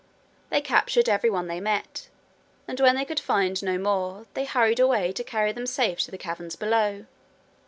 They captured every one they met, and when they could find no more, they hurried away to carry them safe to the caverns below.